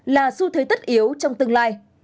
là xu thế tất yếu trong tương lai